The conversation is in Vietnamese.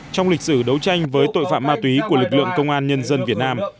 trong lịch sử đấu tranh với tội phạm ma túy của lực lượng công an nhân dân việt nam